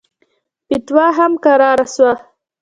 فتوا هم کراره سوه.